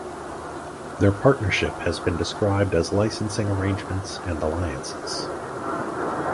Their partnership has been described as licensing arrangements and alliances.